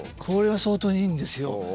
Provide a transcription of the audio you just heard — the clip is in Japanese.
これが相当にいいんですよ。